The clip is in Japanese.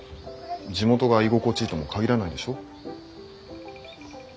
地元が居心地いいとも限らないでしょ？